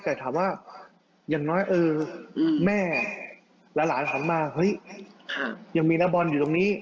แต่ถามว่าอย่างน้อยเออแม่หลานหันมาเฮ้ยยังมีนักบอลอยู่ตรงนี้